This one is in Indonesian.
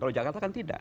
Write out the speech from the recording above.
kalau jakarta kan tidak